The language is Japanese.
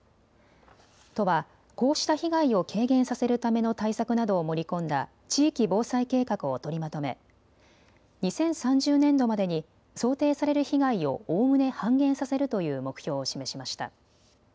都はこうした被害を軽減させるための対策などを盛り込んだ地域防災計画を取りまとめ２０３０年度までに想定される被害をおおむね半減させるという目標を示しました。